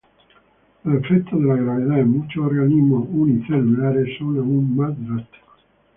Los efectos de la gravedad en muchos organismos unicelulares son aún más drásticos.